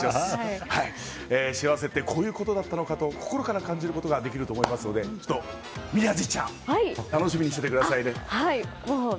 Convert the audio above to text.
幸せってこういうことだったのかと心から感じることができると思いますので宮司ちゃん楽しみにしててくださいね。